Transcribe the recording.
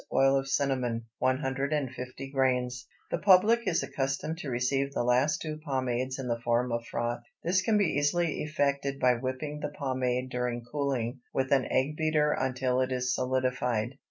Oil of cinnamon 150 grains. The public is accustomed to receive the last two pomades in the form of froth. This can be easily effected by whipping the pomade during cooling with an egg beater until it is solidified.